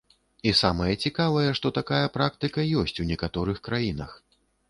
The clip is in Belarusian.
І самае цікавае, што такая практыка ёсць у некаторых краінах.